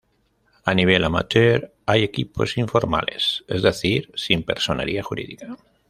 A nivel amateur hay equipos informales, es decir sin personería jurídica.